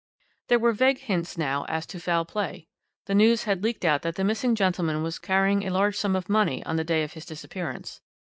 "There were vague hints now as to foul play. The news had leaked out that the missing gentleman was carrying a large sum of money on the day of his disappearance.